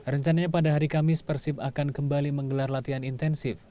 rencananya pada hari kamis persib akan kembali menggelar latihan intensif